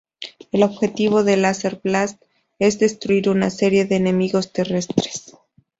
El objetivo de "Laser Blast" es destruir una serie de enemigos terrestres.